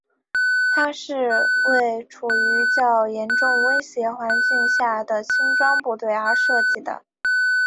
它是为处于较严重威胁环境下的轻装部队而设计的。